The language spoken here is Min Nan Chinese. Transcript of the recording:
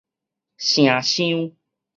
城廂